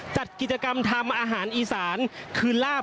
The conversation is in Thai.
จัดกิจกรรมทำอาหารอีสานคืนลาบ